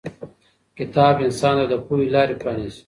کتاب انسان ته د پوهې لارې پرانیزي.